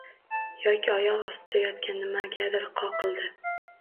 Yoki oyoq ostida yotgan nimagadir qoqildi.